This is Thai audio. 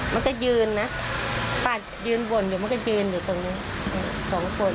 มันก็ยืนนะป้ายืนบ่นอยู่มันก็ยืนอยู่ตรงนี้สองคน